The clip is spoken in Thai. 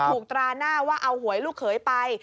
ตราหน้าว่าเอาหวยลูกเขยไป